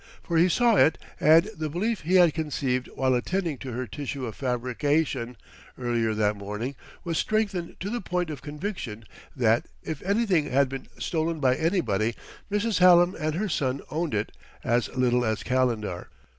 For he saw it; and the belief he had conceived while attending to her tissue of fabrication, earlier that morning, was strengthened to the point of conviction that, if anything had been stolen by anybody, Mrs. Hallam and her son owned it as little as Calendar.